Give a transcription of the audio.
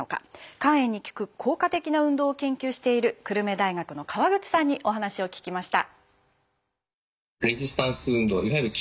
肝炎に効く効果的な運動を研究している久留米大学の川口さんにお話を聞きました。